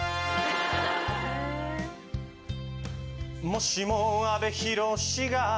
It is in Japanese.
もしも阿部寛が